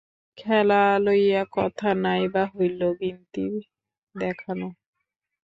খেলা লইয়া কথা-নাই বা হইল বিন্তি দেখানো!